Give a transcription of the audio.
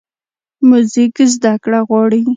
موزیک زدهکړه غواړي.